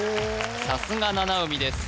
さすが七海です